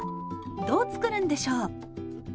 どう作るんでしょう？